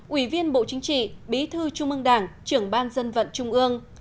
ủy viên bộ chính trị bí thư trung ương đảng trưởng ban dân vận trung ương